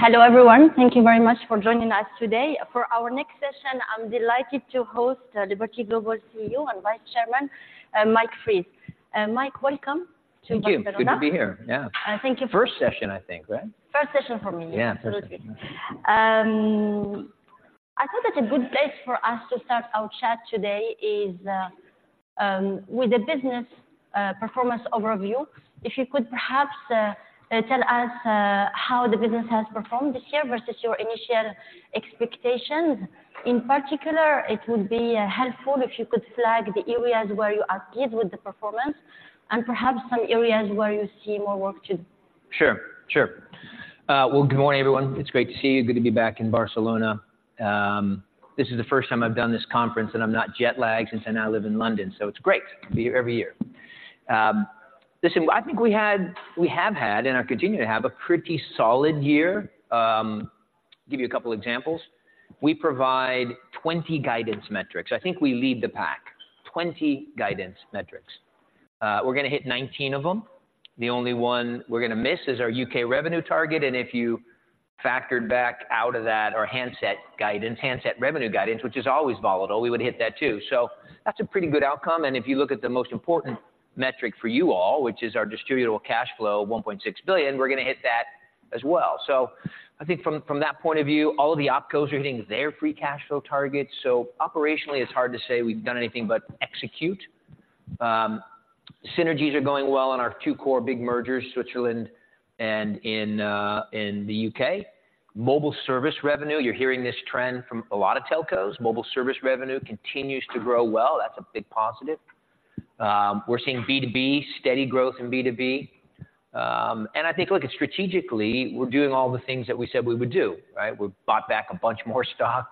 Hello, everyone. Thank you very much for joining us today. For our next session, I'm delighted to host Liberty Global CEO and Vice Chairman, Mike Fries. Mike, welcome to Barcelona. Thank you. Good to be here. Yeah. Thank you. First session, I think, right? First session for me. Yeah, first session. I thought that a good place for us to start our chat today is with the business performance overview. If you could perhaps tell us how the business has performed this year versus your initial expectations. In particular, it would be helpful if you could flag the areas where you are pleased with the performance and perhaps some areas where you see more work to do. Sure, sure. Well, good morning, everyone. It's great to see you. Good to be back in Barcelona. This is the first time I've done this conference, and I'm not jet-lagged since I now live in London, so it's great to be here every year. Listen, I think we had, we have had, and are continuing to have a pretty solid year. Give you a couple examples. We provide 20 guidance metrics. I think we lead the pack, 20 guidance metrics. We're going to hit 19 of them. The only one we're gonna miss is our U.K. revenue target, and if you factored back out of that, our handset guidance, handset revenue guidance, which is always volatile, we would hit that too. So that's a pretty good outcome, and if you look at the most important metric for you all, which is our Distributable Cash Flow, $1.6 billion, we're gonna hit that as well. So I think from that point of view, all of the OpCos are hitting their free cash flow targets, so operationally, it's hard to say we've done anything but execute. Synergies are going well on our two core big mergers, Switzerland and in the U.K. Mobile service revenue, you're hearing this trend from a lot of telcos. Mobile service revenue continues to grow well. That's a big positive. We're seeing B2B, steady growth in B2B. And I think, look, strategically, we're doing all the things that we said we would do, right? We bought back a bunch more stock,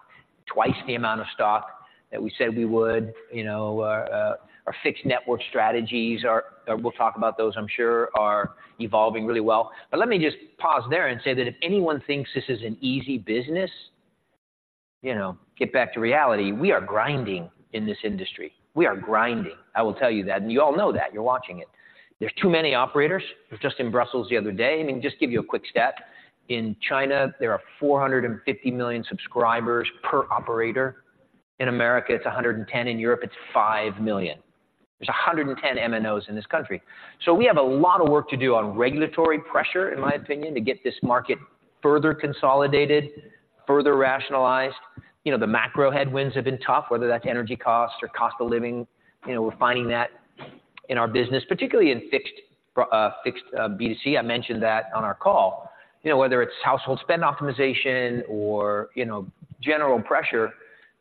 twice the amount of stock that we said we would, you know. Our fixed network strategies are, we'll talk about those, I'm sure, are evolving really well. But let me just pause there and say that if anyone thinks this is an easy business, you know, get back to reality. We are grinding in this industry. We are grinding. I will tell you that, and you all know that. You're watching it. There's too many operators. I was just in Brussels the other day. I mean, just give you a quick stat. In China, there are 450 million subscribers per operator. In America, it's 110. In Europe, it's 5 million. There's 110 MNOs in this country. So we have a lot of work to do on regulatory pressure, in my opinion, to get this market further consolidated, further rationalized. You know, the macro headwinds have been tough, whether that's energy costs or cost of living. You know, we're finding that in our business, particularly in fixed B2C. I mentioned that on our call. You know, whether it's household spend optimization or, you know, general pressure,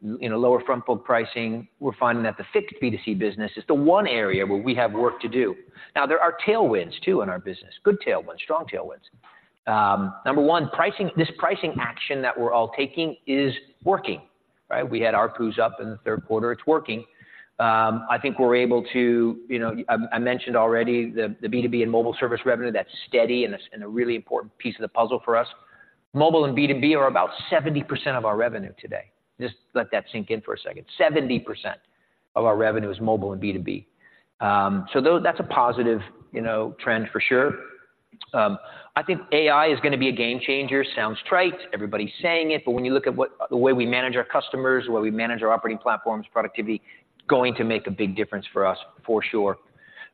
you know, lower front book pricing, we're finding that the fixed B2C business is the one area where we have work to do. Now, there are tailwinds, too, in our business. Good tailwinds, strong tailwinds. Number one, pricing. This pricing action that we're all taking is working, right? We had our ARPUs up in the third quarter. It's working. I think we're able to, you know, I mentioned already the B2B and mobile service revenue, that's steady and it's a really important piece of the puzzle for us. Mobile and B2B are about 70% of our revenue today. Just let that sink in for a second. 70% of our revenue is mobile and B2B. So though, that's a positive, you know, trend for sure. I think AI is gonna be a game changer. Sounds trite, everybody's saying it, but when you look at what the way we manage our customers, the way we manage our operating platforms, productivity, going to make a big difference for us for sure.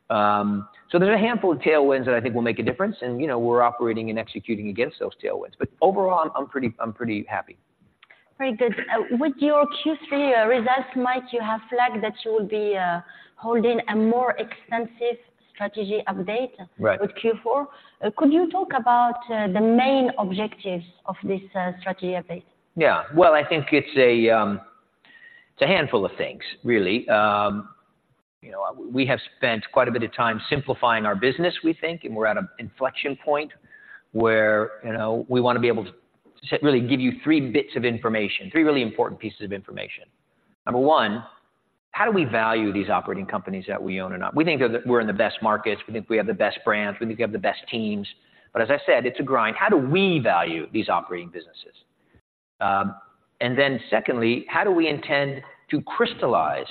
So there's a handful of tailwinds that I think will make a difference, and, you know, we're operating and executing against those tailwinds. But overall, I'm pretty, I'm pretty happy. Very good. With your Q3 results, Mike, you have flagged that you will be holding a more extensive strategy update- Right. With Q4. Could you talk about the main objectives of this strategy update? Yeah. Well, I think it's a, it's a handful of things, really. You know, we have spent quite a bit of time simplifying our business, we think, and we're at an inflection point where, you know, we want to be able to set-really give you three bits of information, three really important pieces of information. Number one, how do we value these operating companies that we own or not? We think that we're in the best markets. We think we have the best brands. We think we have the best teams. But as I said, it's a grind. How do we value these operating businesses? And then secondly, how do we intend to crystallize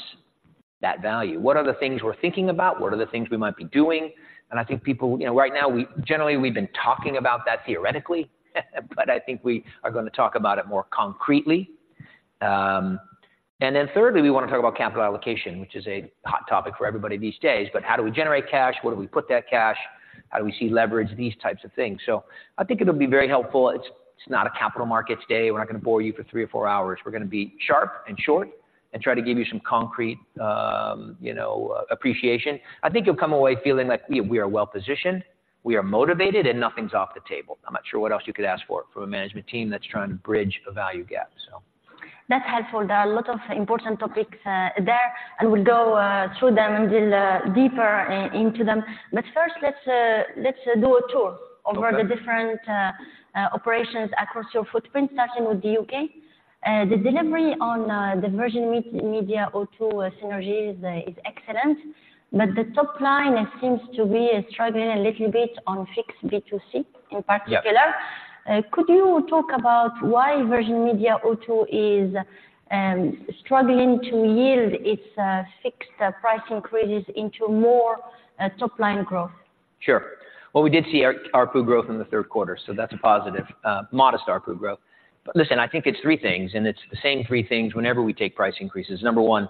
that value? What are the things we're thinking about? What are the things we might be doing? I think people, you know, right now, we generally, we've been talking about that theoretically, but I think we are going to talk about it more concretely. And then thirdly, we want to talk about capital allocation, which is a hot topic for everybody these days. But how do we generate cash? Where do we put that cash? How do we see leverage, these types of things. So I think it'll be very helpful. It's, it's not a capital markets day. We're not going to bore you for three or four hours. We're gonna be sharp and short and try to give you some concrete, you know, appreciation. I think you'll come away feeling like we, we are well-positioned, we are motivated, and nothing's off the table. I'm not sure what else you could ask for from a management team that's trying to bridge a value gap, so. That's helpful. There are a lot of important topics there, and we'll go through them and dig deeper into them. But first, let's do a tour- Okay. -over the different operations across your footprint, starting with the U.K. The delivery on the Virgin Media O2 synergies is excellent, but the top line seems to be struggling a little bit on fixed B2C in particular. Yeah. Could you talk about why Virgin Media O2 is struggling to yield its fixed price increases into more top-line growth?... Sure. Well, we did see ARPU growth in the third quarter, so that's a positive, modest ARPU growth. But listen, I think it's three things, and it's the same three things whenever we take price increases. Number one,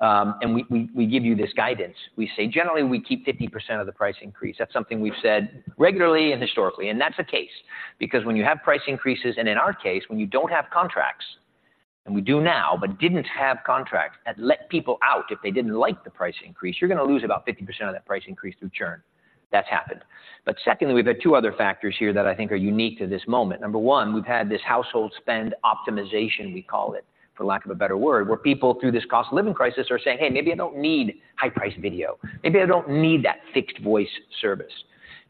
and we give you this guidance. We say, generally, we keep 50% of the price increase. That's something we've said regularly and historically, and that's the case. Because when you have price increases, and in our case, when you don't have contracts, and we do now, but didn't have contracts that let people out if they didn't like the price increase, you're gonna lose about 50% of that price increase through churn. That's happened. But secondly, there are two other factors here that I think are unique to this moment. Number one, we've had this household spend optimization, we call it, for lack of a better word, where people through this cost-of-living crisis are saying, "Hey, maybe I don't need high-priced video. Maybe I don't need that fixed voice service."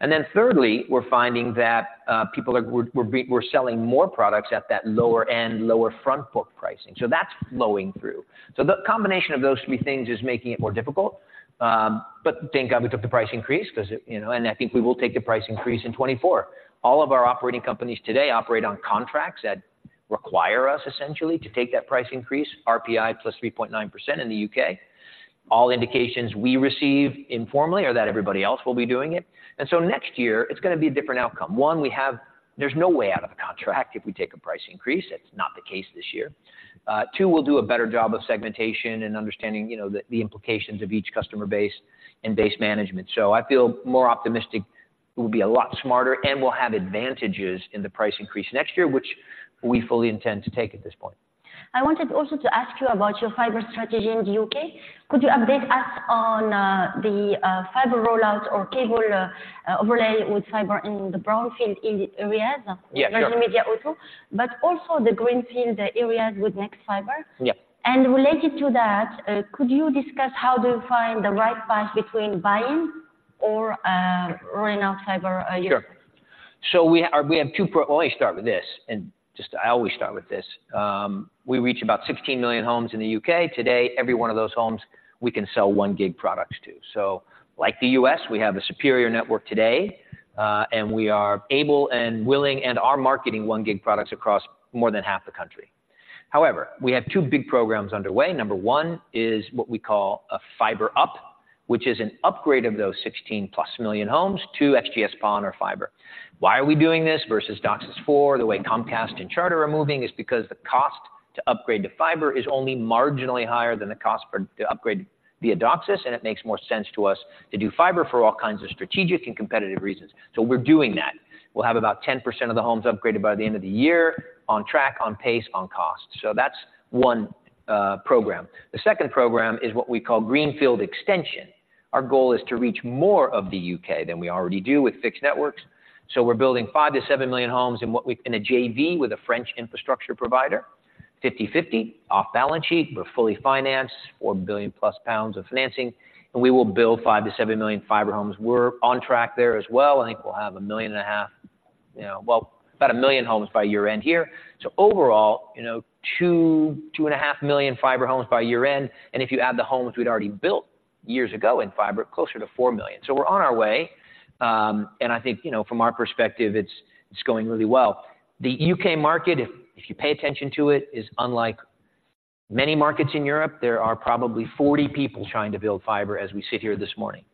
And then thirdly, we're finding that people are—we're selling more products at that lower end, lower front book pricing. So that's flowing through. So the combination of those three things is making it more difficult. But thank God, we took the price increase because, you know, and I think we will take the price increase in 2024. All of our operating companies today operate on contracts that require us essentially to take that price increase, RPI plus 3.9% in the U.K. All indications we receive informally are that everybody else will be doing it. Next year, it's gonna be a different outcome. One, we have. There's no way out of a contract if we take a price increase. That's not the case this year. Two, we'll do a better job of segmentation and understanding, you know, the implications of each customer base and base management. I feel more optimistic. We'll be a lot smarter, and we'll have advantages in the price increase next year, which we fully intend to take at this point. I wanted also to ask you about your fiber strategy in the U.K. Could you update us on the fiber rollout or cable overlay with fiber in the brownfield areas? Yeah, sure. Virgin Media also, but also the greenfield, the areas with nexfibre. Yeah. Related to that, could you discuss how do you find the right path between buying or rolling out fiber a year? Sure. So I'll start with this, and just I always start with this. We reach about 16 million homes in the U.K. Today, every one of those homes, we can sell 1 gig products to. So like the U.S., we have a superior network today, and we are able and willing and are marketing 1 gig products across more than half the country. However, we have two big programs underway. Number 1 is what we call a fiber up, which is an upgrade of those 16+ million homes to XGS-PON or fiber. Why are we doing this versus DOCSIS 4.0? The way Comcast and Charter are moving is because the cost to upgrade to fiber is only marginally higher than the cost for to upgrade via DOCSIS, and it makes more sense to us to do fiber for all kinds of strategic and competitive reasons. So we're doing that. We'll have about 10% of the homes upgraded by the end of the year on track, on pace, on cost. So that's one program. The second program is what we call greenfield extension. Our goal is to reach more of the U.K. than we already do with fixed networks. So we're building 5-7 million homes in what we... In a JV with a French infrastructure provider, 50/50, off balance sheet, but fully financed, 4 billion pounds+ of financing, and we will build 5-7 million fiber homes. We're on track there as well. I think we'll have 1.5 million, you know, well, about 1 million homes by year-end here. So overall, you know, 2-2.5 million fiber homes by year-end, and if you add the homes we'd already built years ago in fiber, closer to 4 million. So we're on our way, and I think, you know, from our perspective, it's going really well. The U.K. market, if you pay attention to it, is unlike many markets in Europe. There are probably 40 people trying to build fiber as we sit here this morning.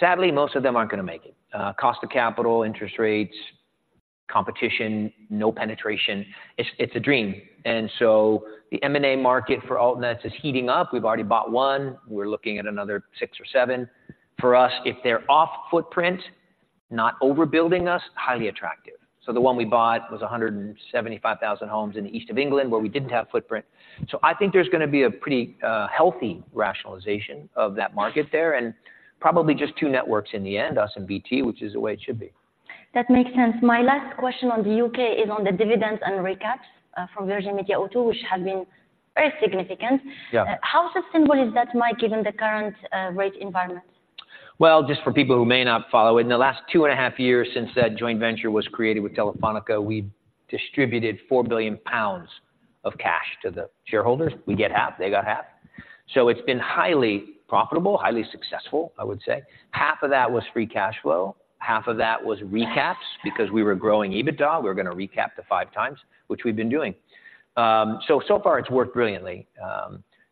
Sadly, most of them aren't gonna make it. Cost of capital, interest rates, competition, no penetration. It's a dream. And so the M&A market for altnets is heating up. We've already bought one. We're looking at another 6 or 7. For us, if they're off footprint, not overbuilding us, highly attractive. So the one we bought was 175,000 homes in the East of England, where we didn't have footprint. So I think there's gonna be a pretty, healthy rationalization of that market there, and probably just two networks in the end, us and BT, which is the way it should be. That makes sense. My last question on the U.K. is on the dividends and recaps from Virgin Media O2, which have been very significant. Yeah. How sustainable is that mix, given the current, rate environment? Well, just for people who may not follow, in the last 2.5 years since that joint venture was created with Telefónica, we distributed 4 billion pounds of cash to the shareholders. We get half, they got half. So it's been highly profitable, highly successful, I would say. Half of that was free cash flow, half of that was recaps because we were growing EBITDA. We're gonna recap to 5x, which we've been doing. So far it's worked brilliantly.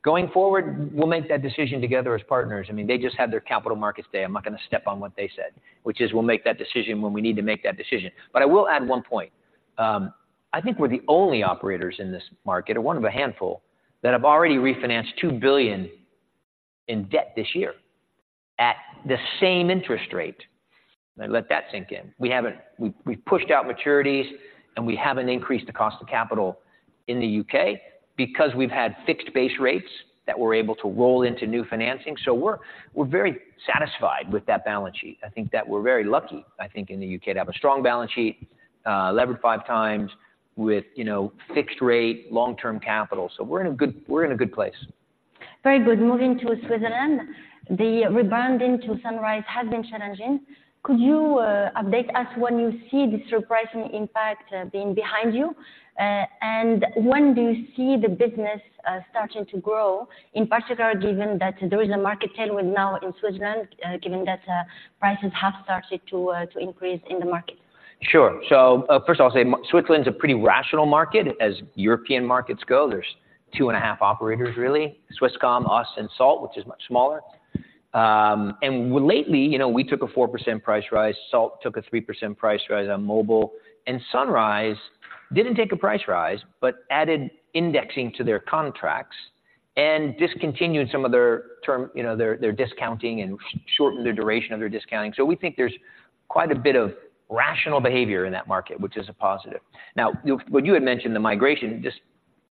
Going forward, we'll make that decision together as partners. I mean, they just had their capital markets day. I'm not gonna step on what they said, which is we'll make that decision when we need to make that decision. But I will add one point. I think we're the only operators in this market, or one of a handful, that have already refinanced $2 billion in debt this year at the same interest rate. Now let that sink in. We haven't-- we've pushed out maturities, and we haven't increased the cost of capital in the U.K. because we've had fixed base rates that we're able to roll into new financing. So we're very satisfied with that balance sheet. I think that we're very lucky, I think, in the U.K., to have a strong balance sheet, levered 5x with, you know, fixed rate, long-term capital. So we're in a good place. Very good. Moving to Switzerland, the rebound into Sunrise has been challenging. Could you update us when you see this surprising impact being behind you? And when do you see the business starting to grow, in particular, given that there is a market tailwind now in Switzerland, given that prices have started to increase in the market?... Sure. So, first I'll say, Switzerland's a pretty rational market as European markets go. There's two and a half operators, really, Swisscom, us, and Salt, which is much smaller. And lately, you know, we took a 4% price rise, Salt took a 3% price rise on mobile, and Sunrise didn't take a price rise, but added indexing to their contracts and discontinued some of their term, you know, their discounting and shortened the duration of their discounting. So we think there's quite a bit of rational behavior in that market, which is a positive. Now, what you had mentioned, the migration, just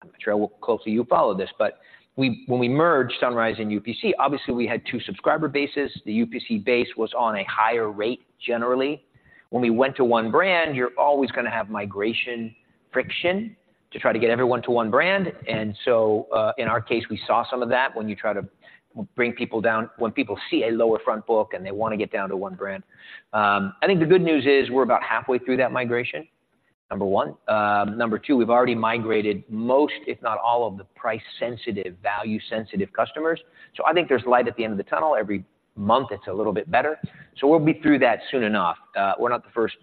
I'm not sure how closely you followed this, but we, when we merged Sunrise and UPC, obviously we had two subscriber bases. The UPC base was on a higher rate generally. When we went to one brand, you're always going to have migration friction to try to get everyone to one brand, and so, in our case, we saw some of that when you try to bring people down, when people see a lower front book and they want to get down to one brand. I think the good news is we're about halfway through that migration, number one. Number two, we've already migrated most, if not all, of the price-sensitive, value-sensitive customers. So I think there's light at the end of the tunnel. Every month, it's a little bit better, so we'll be through that soon enough. We're not the first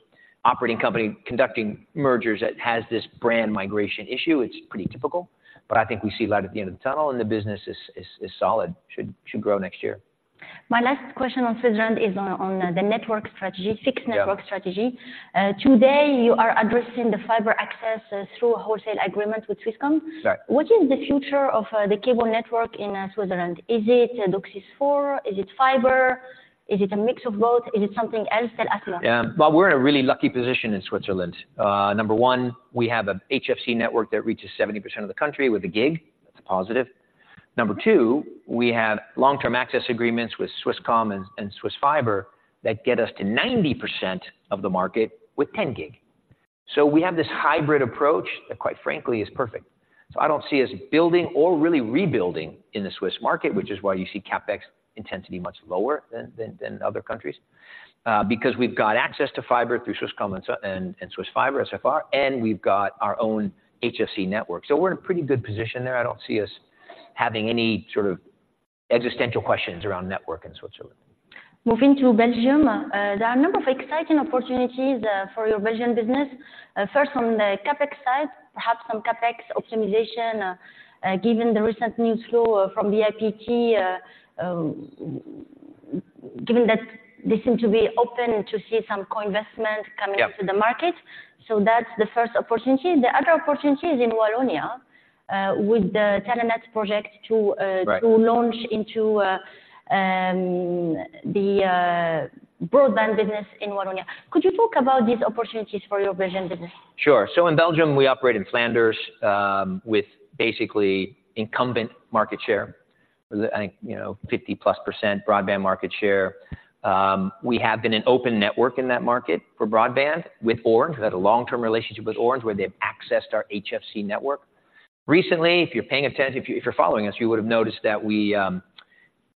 operating company conducting mergers that has this brand migration issue. It's pretty typical, but I think we see light at the end of the tunnel and the business is solid. Should grow next year. My last question on Switzerland is on the network strategy, fixed network strategy. Yeah. Today, you are addressing the fiber access through a wholesale agreement with Swisscom. Right. What is the future of the cable network in Switzerland? Is it a DOCSIS 4.0? Is it fiber? Is it a mix of both? Is it something else that I don't know? Yeah. Well, we're in a really lucky position in Switzerland. Number one, we have a HFC network that reaches 70% of the country with a gig. That's a positive. Number two, we have long-term access agreements with Swisscom and Swiss Fibre Net that get us to 90% of the market with 10 gig. So we have this hybrid approach that, quite frankly, is perfect. So I don't see us building or really rebuilding in the Swiss market, which is why you see CapEx intensity much lower than other countries, because we've got access to fiber through Swisscom and Swiss Fibre Net, and we've got our own HFC network. So we're in a pretty good position there. I don't see us having any sort of existential questions around network in Switzerland. Moving to Belgium, there are a number of exciting opportunities, for your Belgian business. First, on the CapEx side, perhaps some CapEx optimization, given the recent news flow from the BIPT, given that they seem to be open to see some co-investment coming- Yeah to the market. So that's the first opportunity. The other opportunity is in Wallonia, with the Telenet project to, Right... to launch into the broadband business in Wallonia. Could you talk about these opportunities for your Belgian business? Sure. So in Belgium, we operate in Flanders, with basically incumbent market share. I think, you know, 50+% broadband market share. We have been an open network in that market for broadband with Orange. We've had a long-term relationship with Orange, where they've accessed our HFC network. Recently, if you're paying attention, if you, if you're following us, you would have noticed that we,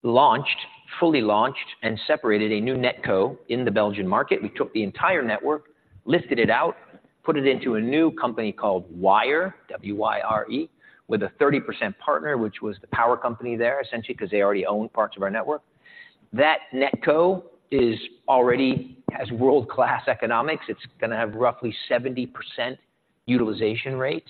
launched, fully launched and separated a new NetCo in the Belgian market. We took the entire network, listed it out, put it into a new company called Wyre, W-Y-R-E, with a 30% partner, which was the power company there, essentially, because they already own parts of our network. That NetCo is already has world-class economics. It's going to have roughly 70% utilization rate.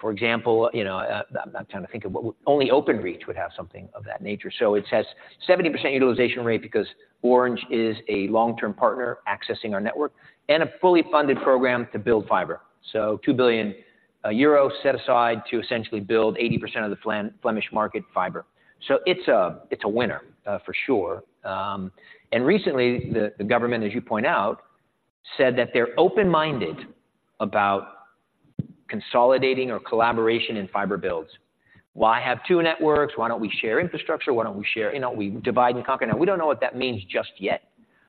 For example, you know, I'm trying to think of what... Only Openreach would have something of that nature. So it has 70% utilization rate because Orange is a long-term partner accessing our network and a fully funded program to build fiber. So 2 billion euros set aside to essentially build 80% of the Flemish market fiber. So it's a, it's a winner for sure. And recently, the government, as you point out, said that they're open-minded about consolidating or collaboration in fiber builds. Why have two networks? Why don't we share infrastructure? Why don't we share, you know, we divide and conquer? Now, we don't know what that means just yet,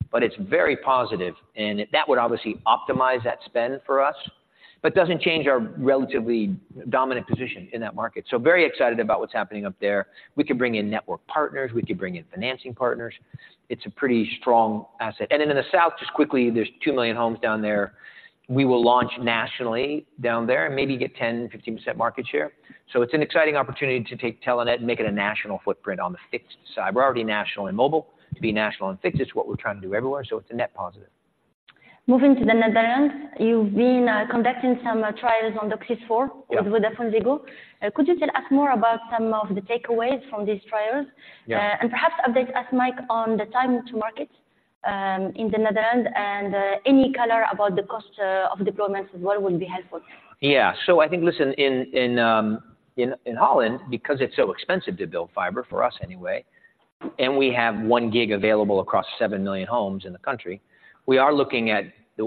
but it's very positive, and that would obviously optimize that spend for us but doesn't change our relatively dominant position in that market. So very excited about what's happening up there. We could bring in network partners. We could bring in financing partners. It's a pretty strong asset. And then in the south, just quickly, there's 2 million homes down there. We will launch nationally down there and maybe get 10%-15% market share. So it's an exciting opportunity to take Telenet and make it a national footprint on the fixed side. We're already national and mobile. To be national and fixed is what we're trying to do everywhere, so it's a net positive. Moving to the Netherlands, you've been conducting some trials on DOCSIS 4- Yeah -with VodafoneZiggo. Could you tell us more about some of the takeaways from these trials? Yeah. Perhaps update us, Mike, on the time to market in the Netherlands, and any color about the cost of deployment as well would be helpful. Yeah. So I think, listen, in Holland, because it's so expensive to build fiber for us anyway, and we have 1 gig available across 7 million homes in the country, we are looking at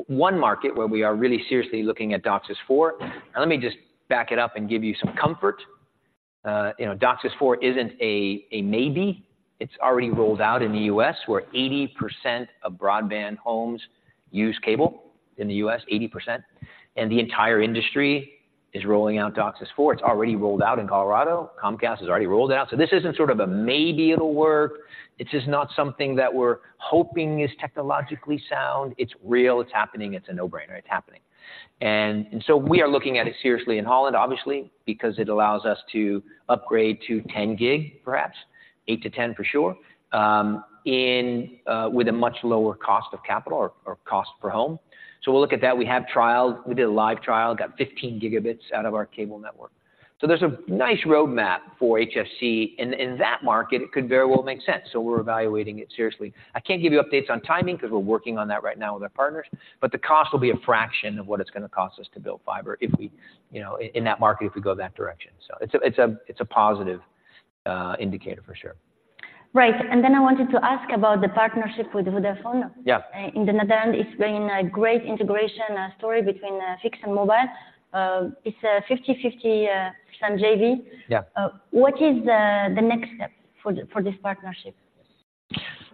1 market where we are really seriously looking at DOCSIS 4.0. And let me just back it up and give you some comfort. You know, DOCSIS 4.0 isn't a maybe, it's already rolled out in the U.S., where 80% of broadband homes use cable. In the U.S., 80%, and the entire industry is rolling out DOCSIS 4.0. It's already rolled out in Colorado. Comcast has already rolled it out. So this isn't sort of a maybe it'll work. It's just not something that we're hoping is technologically sound. It's real, it's happening, it's a no-brainer. It's happening. So we are looking at it seriously in Holland, obviously, because it allows us to upgrade to 10 gig, perhaps, 8-10 for sure, in with a much lower cost of capital or cost per home. So we'll look at that. We have trials. We did a live trial, got 15 gigabits out of our cable network. So there's a nice roadmap for HFC, and in that market, it could very well make sense. So we're evaluating it seriously. I can't give you updates on timing because we're working on that right now with our partners, but the cost will be a fraction of what it's going to cost us to build fiber if we, you know, in that market, if we go that direction. So it's a positive indicator for sure. Right. And then I wanted to ask about the partnership with Vodafone. Yeah. In the Netherlands, it's been a great integration story between fixed and mobile. It's a 50/50 some JV. Yeah. What is the next step for this partnership?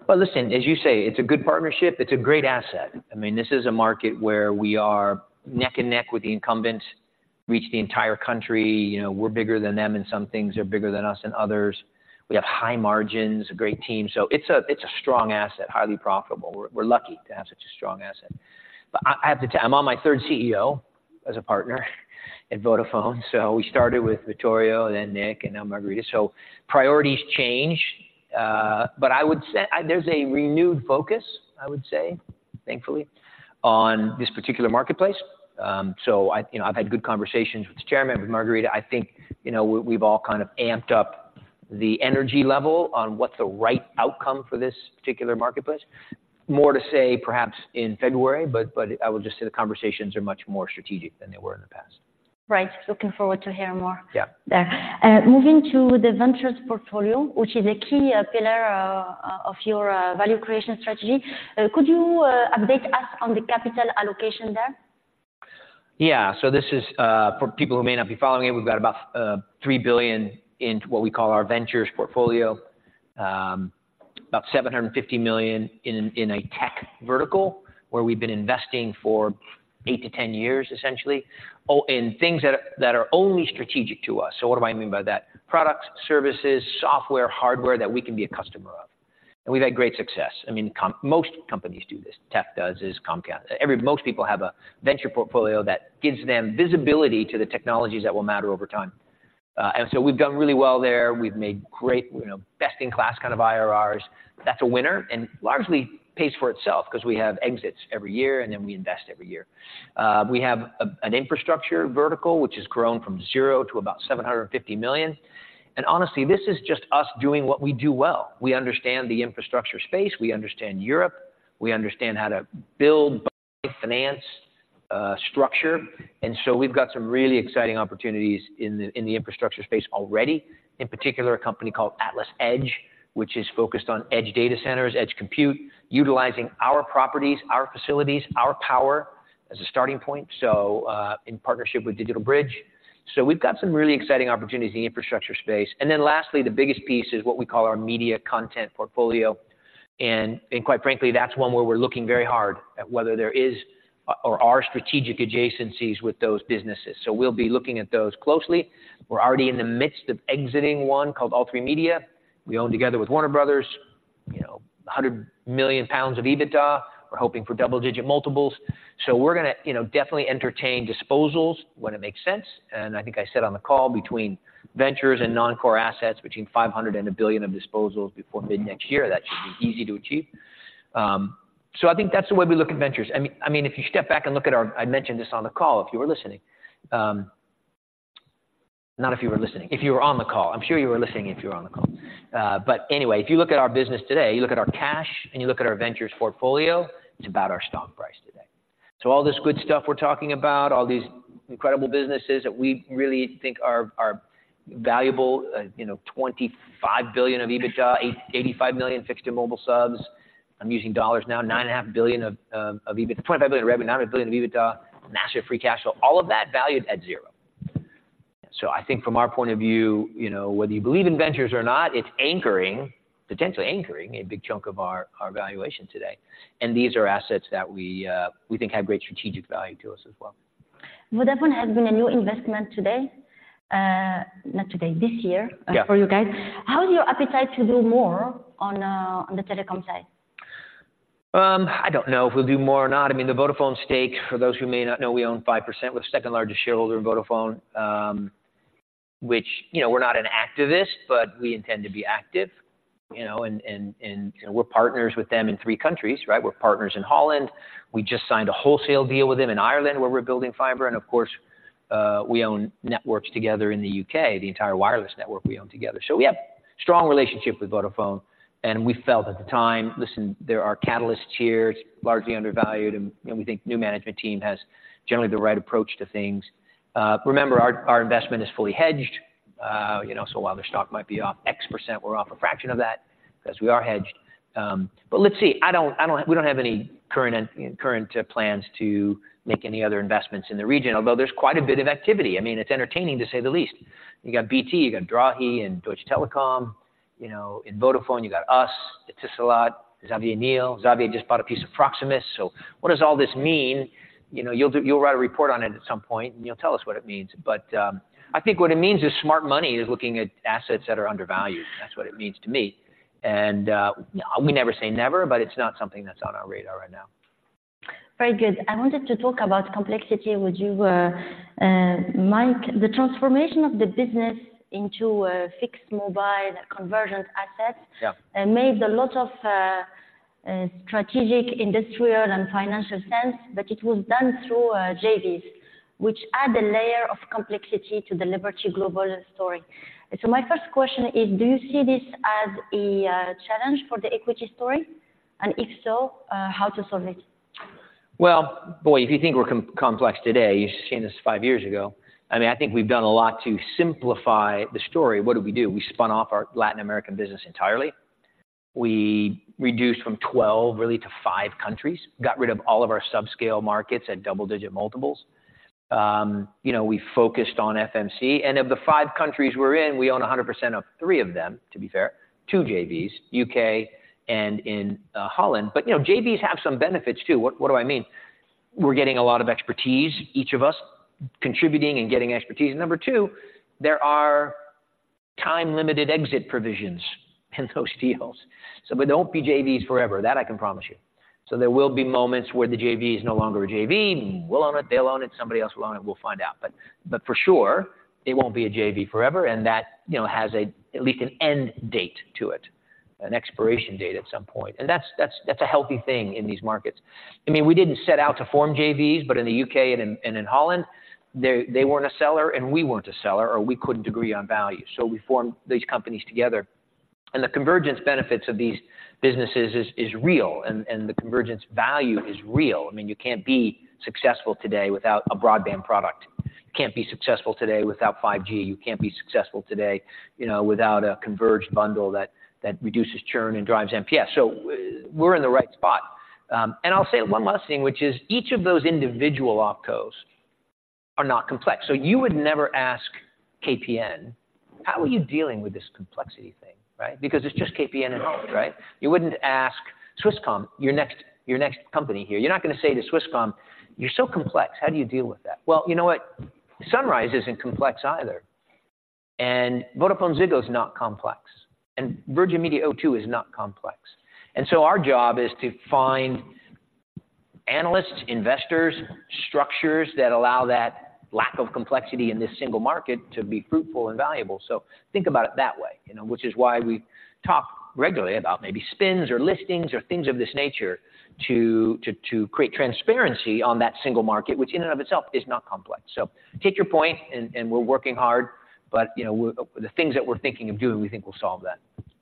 Well, listen, as you say, it's a good partnership. It's a great asset. I mean, this is a market where we are neck and neck with the incumbents, reach the entire country. You know, we're bigger than them, and some things are bigger than us and others. We have high margins, a great team. So it's a strong asset, highly profitable. We're lucky to have such a strong asset. But I have to tell, I'm on my third CEO as a partner at Vodafone, so we started with Vittorio, then Nick, and now Margherita. So priorities change, but I would say... There's a renewed focus, I would say, thankfully, on this particular marketplace. So, you know, I've had good conversations with the chairman, with Margherita. I think, you know, we've all kind of amped up the energy level on what's the right outcome for this particular marketplace. More to say, perhaps in February, but I will just say the conversations are much more strategic than they were in the past. Right. Looking forward to hear more. Yeah. There. Moving to the Ventures portfolio, which is a key pillar of your value creation strategy. Could you update us on the capital allocation there? Yeah. So this is for people who may not be following it, we've got about $3 billion into what we call our ventures portfolio. About $750 million in a tech vertical, where we've been investing for 8-10 years, essentially, in things that are only strategic to us. So what do I mean by that? Products, services, software, hardware that we can be a customer of. And we've had great success. I mean, most companies do this. Tech does, is Comcast. Most people have a venture portfolio that gives them visibility to the technologies that will matter over time. And so we've done really well there. We've made great, you know, best-in-class kind of IRRs. That's a winner and largely pays for itself because we have exits every year, and then we invest every year. We have an infrastructure vertical, which has grown from zero to about $750 million. And honestly, this is just us doing what we do well. We understand the infrastructure space, we understand Europe, we understand how to build, buy, finance, structure. And so we've got some really exciting opportunities in the infrastructure space already. In particular, a company called AtlasEdge, which is focused on edge data centers, edge compute, utilizing our properties, our facilities, our power as a starting point, so in partnership with DigitalBridge. So we've got some really exciting opportunities in the infrastructure space. And then lastly, the biggest piece is what we call our media content portfolio. And quite frankly, that's one where we're looking very hard at whether there is or are strategic adjacencies with those businesses. So we'll be looking at those closely. We're already in the midst of exiting one called All3Media. We own together with Warner Bros., you know, 100 million pounds of EBITDA. We're hoping for double-digit multiples. So we're going to, you know, definitely entertain disposals when it makes sense. And I think I said on the call between ventures and non-core assets, between $500 million and $1 billion of disposals before mid-next year, that should be easy to achieve. So I think that's the way we look at ventures. I mean, I mean, if you step back and look at our... I mentioned this on the call, if you were listening. Not if you were listening, if you were on the call. I'm sure you were listening if you were on the call. But anyway, if you look at our business today, you look at our cash, and you look at our Ventures portfolio, it's about our stock price today. So all this good stuff we're talking about, all these incredible businesses that we really think are valuable, you know, $25 billion of EBITDA, 885 million fixed and mobile subs. I'm using dollars now, $9.5 billion of EBITDA. $25 billion in revenue, $9 billion of EBITDA, massive free cash flow, all of that valued at zero. So I think from our point of view, you know, whether you believe in Ventures or not, it's anchoring, potentially anchoring a big chunk of our valuation today. And these are assets that we think have great strategic value to us as well. Vodafone has been a new investment today, not today, this year- Yeah. —for you guys. How is your appetite to do more on the telecom side? I don't know if we'll do more or not. I mean, the Vodafone stake, for those who may not know, we own 5%. We're the second largest shareholder in Vodafone, which, you know, we're not an activist, but we intend to be active, you know, and we're partners with them in three countries, right? We're partners in Holland. We just signed a wholesale deal with them in Ireland, where we're building fiber. And of course, we own networks together in the U.K., the entire wireless network we own together. So we have strong relationship with Vodafone, and we felt at the time, listen, there are catalysts here. It's largely undervalued, and, you know, we think new management team has generally the right approach to things. Remember, our investment is fully hedged, you know, so while their stock might be off X%, we're off a fraction of that because we are hedged. But let's see. I don't, we don't have any current plans to make any other investments in the region, although there's quite a bit of activity. I mean, it's entertaining, to say the least. You got BT, you got Drahi and Deutsche Telekom, you know, in Vodafone, you got us, Etisalat, Xavier Niel. Xavier just bought a piece of Proximus. So what does all this mean? You know, you'll write a report on it at some point, and you'll tell us what it means. But, I think what it means is smart money is looking at assets that are undervalued. That's what it means to me... We never say never, but it's not something that's on our radar right now. Very good. I wanted to talk about complexity with you, Mike. The transformation of the business into a fixed mobile convergent asset- Yeah. -made a lot of, strategic, industrial, and financial sense, but it was done through, JVs, which add a layer of complexity to the Liberty Global story. So my first question is, do you see this as a, challenge for the equity story? And if so, how to solve it? Well, boy, if you think we're complex today, you should have seen this 5 years ago. I mean, I think we've done a lot to simplify the story. What did we do? We spun off our Latin American business entirely. We reduced from 12, really, to 5 countries, got rid of all of our subscale markets at double-digit multiples. You know, we focused on FMC, and of the 5 countries we're in, we own 100% of three of them, to be fair, two JVs, U.K. and in Holland. But, you know, JVs have some benefits, too. What, what do I mean? We're getting a lot of expertise, each of us contributing and getting expertise. Number two, there are time-limited exit provisions in those deals. So they won't be JVs forever, that I can promise you. So there will be moments where the JV is no longer a JV. We'll own it, they'll own it, somebody else will own it, we'll find out. But for sure, it won't be a JV forever, and that, you know, has at least an end date to it, an expiration date at some point. And that's a healthy thing in these markets. I mean, we didn't set out to form JVs, but in the U.K. and in Holland, they weren't a seller, and we weren't a seller, or we couldn't agree on value, so we formed these companies together. And the convergence benefits of these businesses is real, and the convergence value is real. I mean, you can't be successful today without a broadband product. You can't be successful today without 5G. You can't be successful today, you know, without a converged bundle that, that reduces churn and drives NPS. So we're in the right spot. I'll say one last thing, which is each of those individual OpCos are not complex. So you would never ask KPN, "How are you dealing with this complexity thing," right? Because it's just KPN and all, right? You wouldn't ask Swisscom, your next, your next company here. You're not going to say to Swisscom: You're so complex. How do you deal with that? Well, you know what? Sunrise isn't complex either, and VodafoneZiggo is not complex, and Virgin Media O2 is not complex. And so our job is to find analysts, investors, structures that allow that lack of complexity in this single market to be fruitful and valuable. So think about it that way, you know, which is why we talk regularly about maybe spins or listings or things of this nature to create transparency on that single market, which in and of itself is not complex. So take your point and we're working hard, but, you know, we're the things that we're thinking of doing, we think will solve that.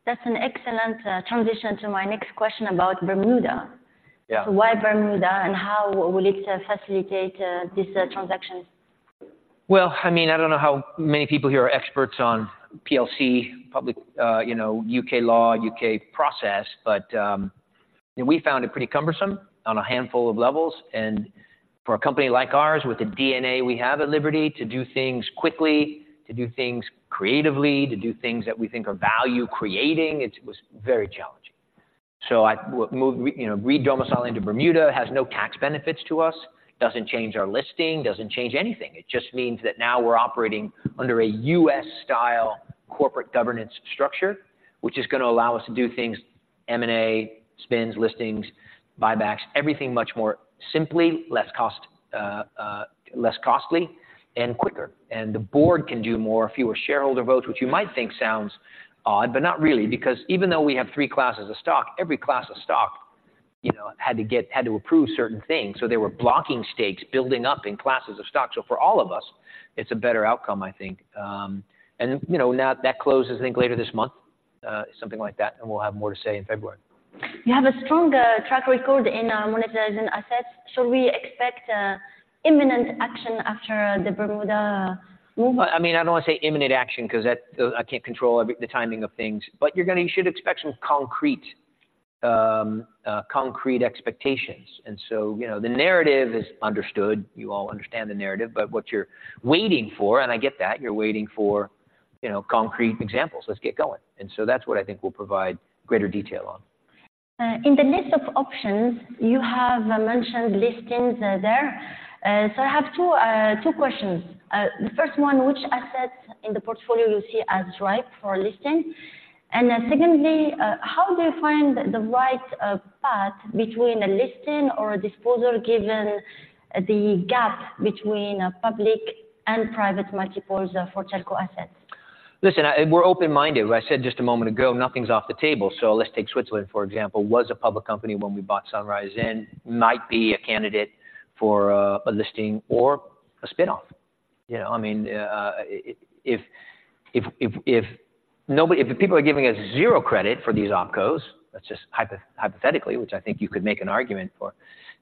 That's an excellent transition to my next question about Bermuda. Yeah. So why Bermuda, and how will it facilitate this transaction? Well, I mean, I don't know how many people here are experts on PLC, public, you know, U.K. law, U.K. process, but we found it pretty cumbersome on a handful of levels. And for a company like ours, with the DNA we have at Liberty, to do things quickly, to do things creatively, to do things that we think are value-creating, it was very challenging. So we move, you know, redomicile into Bermuda, has no tax benefits to us, doesn't change our listing, doesn't change anything. It just means that now we're operating under a U.S.-style corporate governance structure, which is gonna allow us to do things, M&A, spins, listings, buybacks, everything much more simply, less costly and quicker. The board can do more, fewer shareholder votes, which you might think sounds odd, but not really, because even though we have three classes of stock, every class of stock, you know, had to approve certain things, so there were blocking stakes building up in classes of stock. So for all of us, it's a better outcome, I think. You know, now that closes, I think, later this month, something like that, and we'll have more to say in February. You have a strong track record in monetizing assets. Should we expect imminent action after the Bermuda move? Well, I mean, I don't want to say imminent action because that, I can't control the timing of things, but you should expect some concrete, concrete expectations. So, you know, the narrative is understood. You all understand the narrative, but what you're waiting for, and I get that, you're waiting for, you know, concrete examples. Let's get going. So that's what I think we'll provide greater detail on. In the list of options, you have mentioned listings there. I have two, two questions. The first one, which assets in the portfolio you see as ripe for listing? And secondly, how do you find the right path between a listing or a disposal, given the gap between public and private multiples for telco assets? Listen, we're open-minded. I said just a moment ago, nothing's off the table. So let's take Switzerland, for example, was a public company when we bought Sunrise and might be a candidate for a listing or a spin-off. You know, I mean, if nobody—if the people are giving us zero credit for these opcos, let's just hypothetically, which I think you could make an argument for,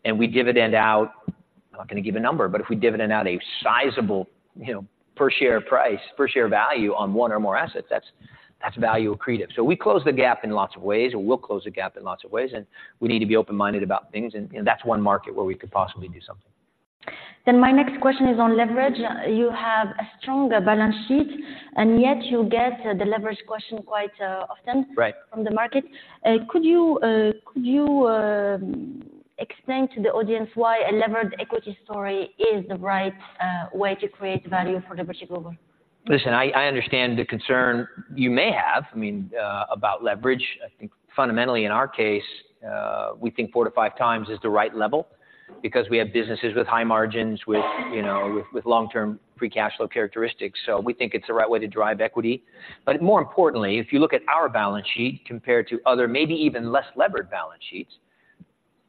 and we dividend out, I'm not going to give a number, but if we dividend out a sizable, you know, per share price, per share value on one or more assets, that's value accretive. So we close the gap in lots of ways, or we'll close the gap in lots of ways, and we need to be open-minded about things, and, you know, that's one market where we could possibly do something. Then my next question is on leverage. You have a strong balance sheet, and yet you get the leverage question quite, often- Right. From the market. Could you explain to the audience why a levered equity story is the right way to create value for Liberty Global? Listen, I understand the concern you may have, I mean, about leverage. I think fundamentally in our case, we think 4-5x is the right level, because we have businesses with high margins, with, you know, with long-term free cash flow characteristics. So we think it's the right way to drive equity. But more importantly, if you look at our balance sheet compared to other maybe even less levered balance sheets,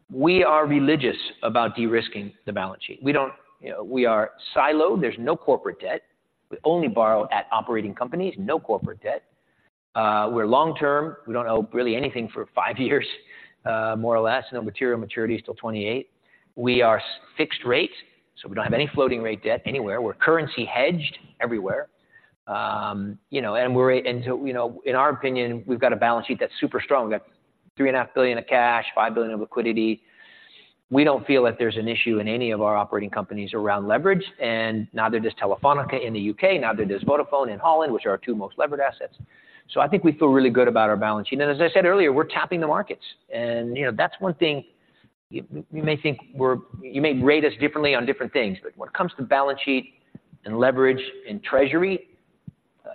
we are religious about de-risking the balance sheet. We don't, you know, we are siloed. There's no corporate debt. We only borrow at operating companies, no corporate debt. We're long-term. We don't owe really anything for 5 years, more or less, no material maturities till 2028. We are fixed rate, so we don't have any floating rate debt anywhere. We're currency hedged everywhere. You know, and so, you know, in our opinion, we've got a balance sheet that's super strong. We've got $3.5 billion of cash, $5 billion of liquidity. We don't feel that there's an issue in any of our operating companies around leverage, and neither does Telefónica in the U.K., neither does Vodafone in Holland, which are our two most levered assets. So I think we feel really good about our balance sheet. And as I said earlier, we're tapping the markets, and, you know, that's one thing you, you may think we're- You may rate us differently on different things, but when it comes to balance sheet and leverage and treasury,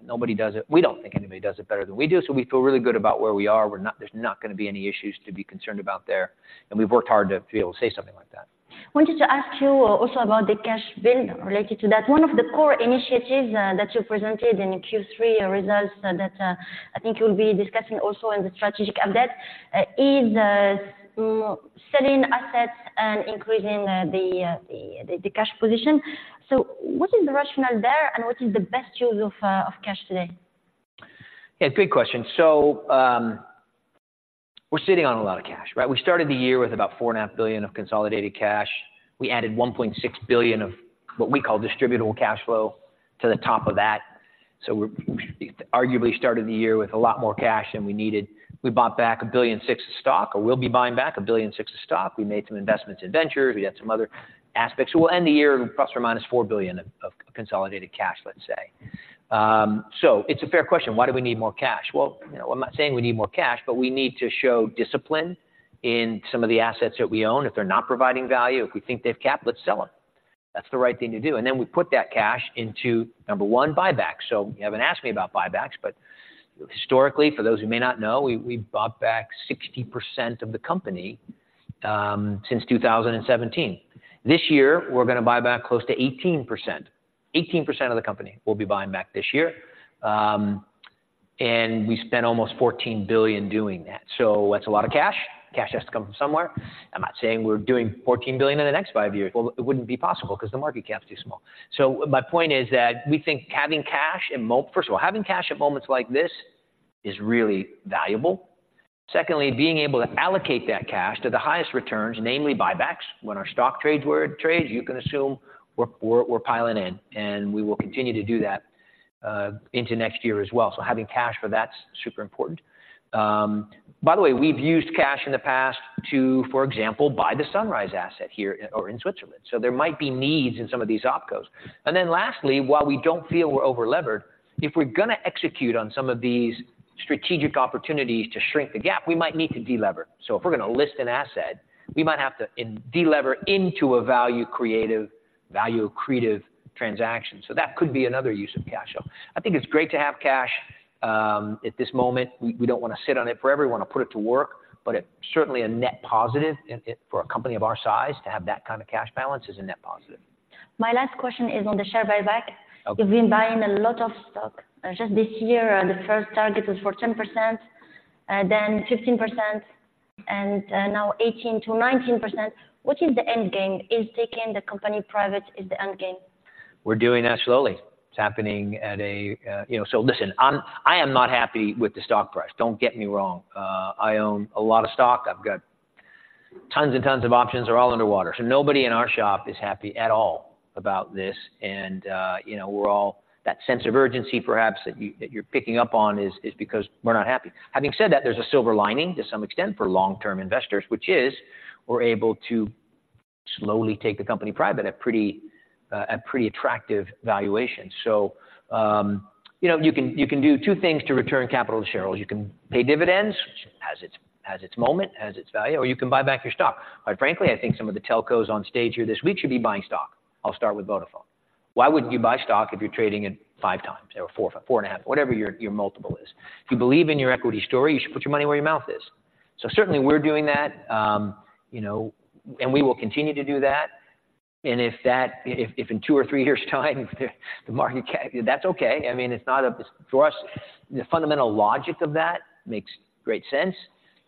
nobody does it... We don't think anybody does it better than we do, so we feel really good about where we are. There's not gonna be any issues to be concerned about there, and we've worked hard to be able to say something like that. Wanted to ask you also about the cash build related to that. One of the core initiatives that you presented in Q3 results that I think you'll be discussing also in the strategic update is selling assets and increasing the cash position. So what is the rationale there, and what is the best use of cash today? Yeah, great question. So, we're sitting on a lot of cash, right? We started the year with about $4.5 billion of consolidated cash. We added $1.6 billion of what we call Distributable Cash Flow to the top of that. So, we arguably started the year with a lot more cash than we needed. We bought back $1.6 billion of stock, or we'll be buying back $1.6 billion of stock. We made some investments in Ventures. We had some other aspects. We'll end the year ±$4 billion of consolidated cash, let's say. So it's a fair question: Why do we need more cash? Well, you know, I'm not saying we need more cash, but we need to show discipline in some of the assets that we own. If they're not providing value, if we think they've capped, let's sell them. That's the right thing to do, and then we put that cash into, number one, buybacks. So you haven't asked me about buybacks, but historically, for those who may not know, we bought back 60% of the company since 2017. This year, we're gonna buy back close to 18%. 18% of the company we'll be buying back this year, and we spent almost $14 billion doing that. So that's a lot of cash. Cash has to come from somewhere. I'm not saying we're doing $14 billion in the next five years. Well, it wouldn't be possible because the market cap's too small. So my point is that we think having cash, first of all, having cash at moments like this is really valuable. Secondly, being able to allocate that cash to the highest returns, namely buybacks, when our stock trades were trades, you can assume we're piling in, and we will continue to do that into next year as well. So having cash for that's super important. By the way, we've used cash in the past to, for example, buy the Sunrise asset here or in Switzerland. So there might be needs in some of these OpCos. And then lastly, while we don't feel we're over-levered, if we're gonna execute on some of these strategic opportunities to shrink the gap, we might need to de-lever. So if we're gonna list an asset, we might have to de-lever into a value-creative transaction. So that could be another use of cash. So I think it's great to have cash at this moment. We don't wanna sit on it forever. We wanna put it to work, but it's certainly a net positive. And it, for a company of our size, to have that kind of cash balance is a net positive. My last question is on the share buyback. Okay. You've been buying a lot of stock. Just this year, the first target was for 10%, then 15%, and now 18%-19%. What is the end game? Is taking the company private is the end game? We're doing that slowly. It's happening at a... You know, so listen, I am not happy with the stock price. Don't get me wrong. I own a lot of stock. I've got tons and tons of options are all underwater, so nobody in our shop is happy at all about this. And, you know, we're all, that sense of urgency, perhaps, that you, that you're picking up on is, is because we're not happy. Having said that, there's a silver lining to some extent for long-term investors, which is we're able to slowly take the company private at pretty, at pretty attractive valuations. So, you know, you can, you can do two things to return capital to shareholders. You can pay dividends, which has its, has its moment, has its value, or you can buy back your stock. Quite frankly, I think some of the telcos on stage here this week should be buying stock. I'll start with Vodafone. Why wouldn't you buy stock if you're trading at 5x or 4x, 4.5x, whatever your multiple is? If you believe in your equity story, you should put your money where your mouth is. So certainly we're doing that, you know, and we will continue to do that. And if that, if in two or three years' time, the market cap... That's okay. I mean, it's not a- For us, the fundamental logic of that makes great sense,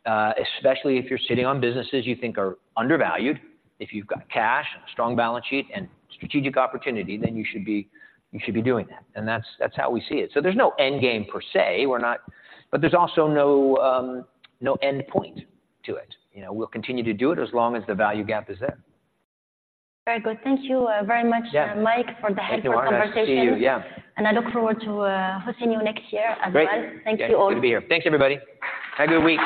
especially if you're sitting on businesses you think are undervalued. If you've got cash, strong balance sheet, and strategic opportunity, then you should be, you should be doing that. And that's, that's how we see it. So there's no end game per se. We're not... But there's also no, no end point to it. You know, we'll continue to do it as long as the value gap is there. Very good. Thank you, very much- Yeah Mike, for the helpful conversation. Thank you. Yeah. I look forward to seeing you next year as well. Great. Thank you all. Good to be here. Thanks, everybody. Have a good week.